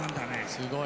すごい。